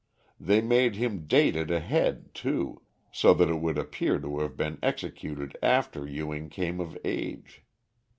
They made him date it ahead, too, so that it would appear to have been executed after Ewing came of age.